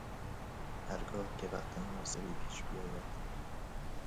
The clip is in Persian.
هرگاه که وقت مناسبی پیش بیاید